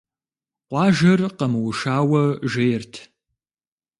Къуажэр къэмыушауэ жейрт.